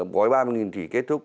gói ba mươi tỷ kết thúc